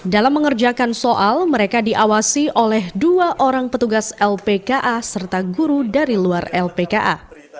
dalam mengerjakan soal mereka diawasi oleh dua orang petugas lpka serta guru dari luar lpka